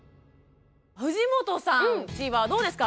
藤本さんちはどうですか？